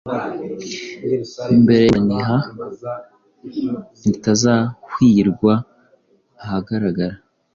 Mbere yiburaniha ritazahyirwa ahagaragara,